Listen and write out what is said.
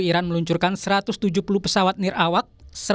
iran meluncurkan satu ratus tujuh puluh pesawat nirawak